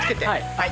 はい。